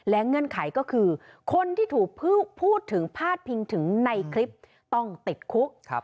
เงื่อนไขก็คือคนที่ถูกพูดถึงพาดพิงถึงในคลิปต้องติดคุก